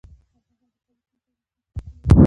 افغانستان د کابل سیند په اړه مشهور تاریخی روایتونه لري.